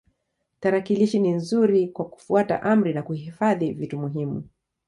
Tarakilishi ni nzuri kwa kufuata amri na kuhifadhi vitu muhimu.